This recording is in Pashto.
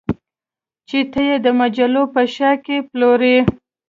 چې ته یې د مجلو په شا کې پلورې